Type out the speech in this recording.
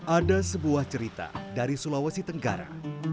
ada sebuah cerita dari sulawesi tenggara